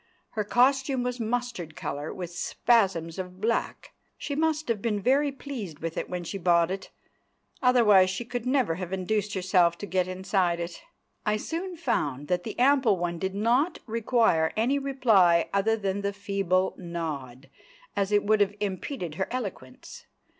Her costume was mustard colour, with spasms of black. She must have been very pleased with it when she bought it, otherwise she could never have induced herself to get inside it! I soon found that the ample one did not require any reply other than the feeble nod, as it would have impeded her eloquence.